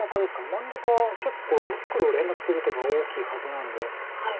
真ん中は結構黒連絡する手が大きいはずなんで。